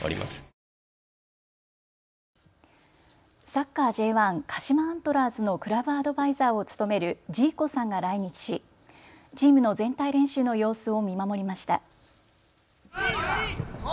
サッカーＪ１鹿島アントラーズのクラブアドバイザーを務めるジーコさんが来日しチームの全体練習の様子を見守りました。